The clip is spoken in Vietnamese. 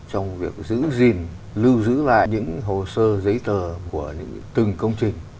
trong việc giữ gìn lưu giữ lại những hồ sơ giấy tờ của từng công trình